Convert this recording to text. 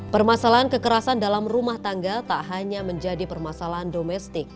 permasalahan kekerasan dalam rumah tangga tak hanya menjadi permasalahan domestik